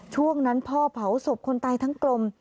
ช่วงนั้นพ่อเผาศพคนตายทั้งกลม